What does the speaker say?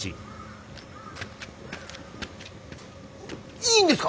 いいんですか！